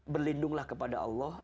berlindunglah kepada allah